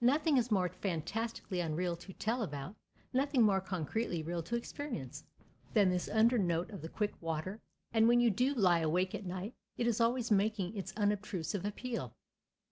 Nothing is more fantastically unreal to tell about, nothing more concretely real to experience, than this undernote of the quick water. And when you do lie awake at night, it is always making its unobtrusive appeal.